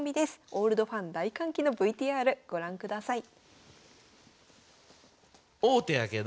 オールドファン大歓喜のＶＴＲご覧ください。